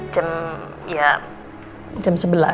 jam ya jam sebelas